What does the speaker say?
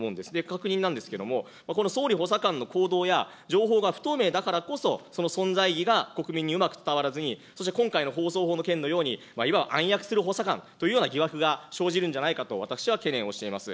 確認なんですけれども、この総理補佐官の行動や情報が不透明だからこそ、その存在意義が国民にうまく伝わらずに、そして今回の放送法の件のように、いわば暗躍する補佐官というような疑惑が生じるんじゃないかと私は懸念をしています。